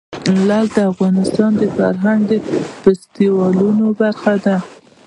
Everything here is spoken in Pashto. لعل د افغانستان د فرهنګي فستیوالونو برخه ده.